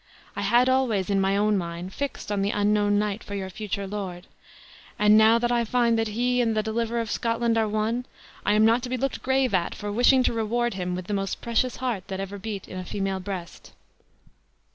I had always, in my own mind, fixed on the unknown knight for your future lord; and now that I find that he and the deliverer of Scotland are one, I am not to be looked grave at for wishing to reward him with the most precious heart that ever beat in a female breast."